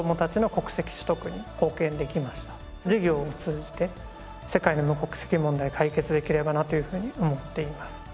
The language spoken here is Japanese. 事業を通じて世界の無国籍問題を解決できればなというふうに思っています。